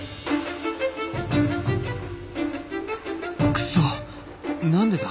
クソ何でだ？